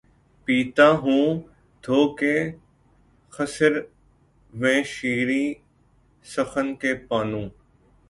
پیتا ہوں دھو کے خسروِ شیریں سخن کے پانو